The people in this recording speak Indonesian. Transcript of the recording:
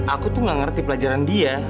aku tuh gak ngerti pelajaran dia